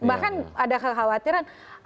bahkan ada kekhawatiran